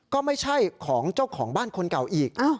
ก็ไม่ใช่ของเจ้าของบ้านคนเก่าอีก